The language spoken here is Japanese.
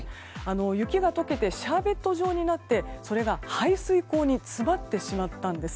雪が解けてシャーベット状になってそれが排水溝に詰まってしまったんです。